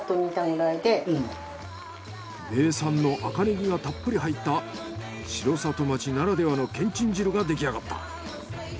名産の赤ネギがたっぷり入った城里町ならではのけんちん汁ができあがった。